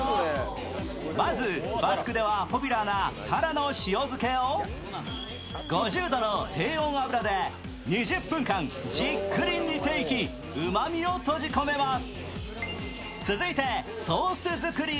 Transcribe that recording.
まずバスクではポピュラーなたらの塩漬けを５０度の低温油で２０分間じっくり煮ていきうまみを閉じ込めます。